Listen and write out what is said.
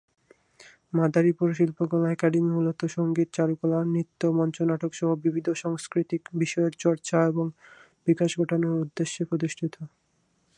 মাদারীপুর শিল্পকলা একাডেমি মূলত সঙ্গীত, চারুকলা, নৃত্য, মঞ্চনাটক সহ বিবিধ সাংস্কৃতিক বিষয়ের চর্চা এবং বিকাশ ঘটানোর উদ্দেশ্যে প্রতিষ্ঠিত।